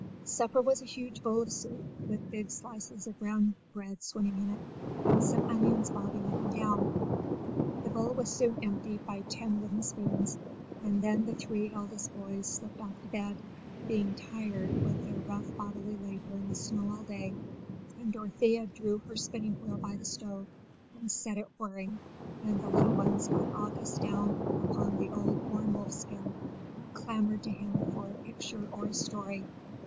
Supper was a huge bowl of soup, with big slices of brown bread swimming in it and some onions bobbing up and down: the bowl was soon emptied by ten wooden spoons, and then the three eldest boys slipped off to bed, being tired with their rough bodily labour in the snow all day, and Dorothea drew her spinning wheel by the stove and set it whirring, and the little ones got August down upon the old worn wolfskin and clamoured to him for a picture or a story.